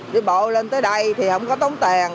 đi bộ lên tới đây thì không có tống tiền